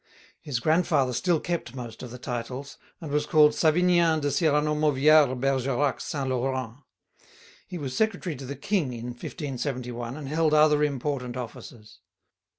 His grandfather still kept most of the titles, and was called Savinien de Cyrano Mauvières Bergerac Saint Laurent. He was secretary to the King in 1571, and held other important offices.